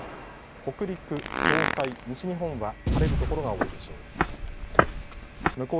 北陸、東海、西日本は晴れる所が多いでしょう。